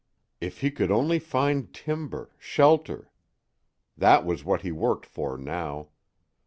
If he could only find timber, shelter! That was what he worked for now.